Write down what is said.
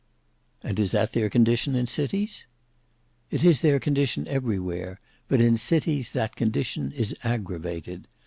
"And is that their condition in cities?" "It is their condition everywhere; but in cities that condition is aggravated.